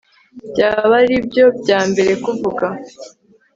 byaba aribyo byambere kuvuga